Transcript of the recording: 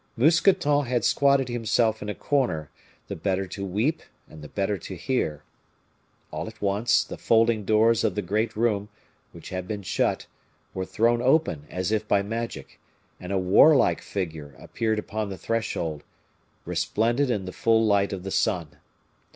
Mousqueton had squatted himself in a corner, the better to weep and the better to hear. All at once the folding doors of the great room, which had been shut, were thrown open as if by magic, and a warlike figure appeared upon the threshold, resplendent in the full light of the sun.